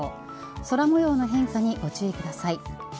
空模様の変化にご注意ください。